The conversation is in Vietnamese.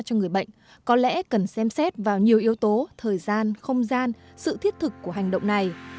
cho người bệnh có lẽ cần xem xét vào nhiều yếu tố thời gian không gian sự thiết thực của hành động này